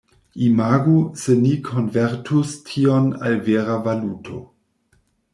Imagu se ni konvertus tion al vera valuto.